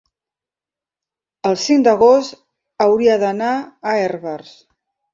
El cinc d'agost hauria d'anar a Herbers.